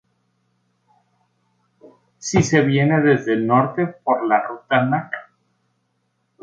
Si se viene desde el norte por la Ruta Nac.